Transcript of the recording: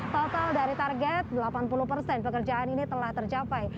total dari target delapan puluh persen pekerjaan ini telah tercapai